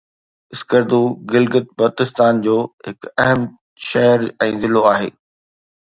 اسڪردو گلگت بلتستان جو هڪ اهم شهر ۽ ضلعو آهي